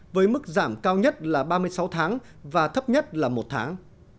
với mức giảm cao nhất là ba mươi sáu tháng và thấp nhất là một tháng